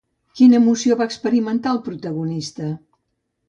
Quina emoció va experimentar el protagonista?